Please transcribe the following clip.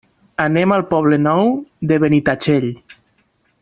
Anem al Poble Nou de Benitatxell.